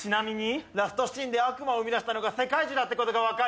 ラストシーンで悪魔を生みだしたのが世界樹だってことが分かる。